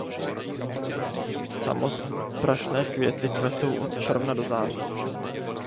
Samosprašné květy kvetou od června do září.